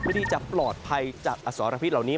ที่จะปลอดภัยจากอสรพิษเหล่านี้